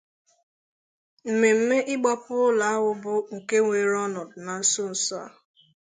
Mmemme ịgbape ụlọ ahụ bụ nke weere ọnọdụ na nsonso